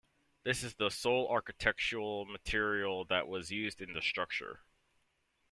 This is the sole architectural material that was used in the structure.